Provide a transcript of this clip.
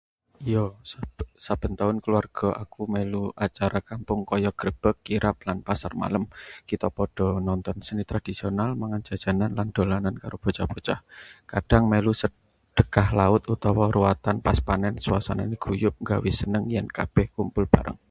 Iyo. Saben taun kulawarga aku melu acara kampung kaya grebeg, kirab, lan pasar malam. Kita padha nonton seni tradisional, mangan jajanan, lan dolanan karo bocah-bocah. Kadhang melu sedekah laut utawa ruwatan pas panen. Suasanane guyub, nggawe seneng yen kabeh kumpul bareng.